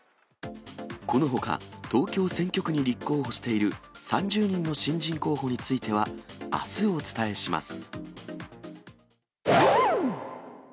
このほか、東京選挙区に立候補している３０人の新人候補については、あすお伝えします。